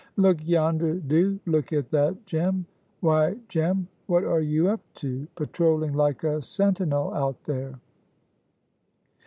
"Look yonder, do! look at that Jem! Why, Jem, what are you up to, patroling like a sentinel out there?"